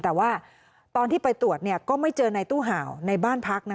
แต่ว่าตอนที่ไปตรวจก็ไม่เจอในตู้เห่าในบ้านพักนะ